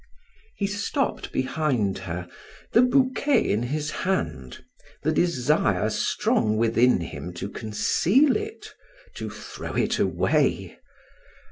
He stopped behind her, the bouquet in his hand, the desire strong within him to conceal it to throw it away.